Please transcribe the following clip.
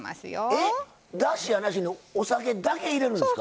えっだしやなしにお酒だけ入れるんですか？